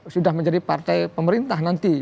sudah menjadi partai pemerintah nanti